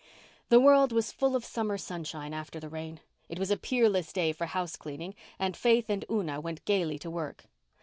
The world was full of summer sunshine after the rain. It was a peerless day for house cleaning and Faith and Una went gaily to work.